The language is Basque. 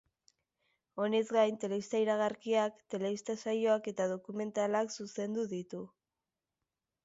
Honez gain, telebista iragarkiak, telebista saioak eta dokumentalak zuzendu ditu.